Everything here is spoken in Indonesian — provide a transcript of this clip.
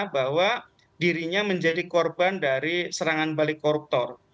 bahwa dirinya menjadi korban dari serangan balik koruptor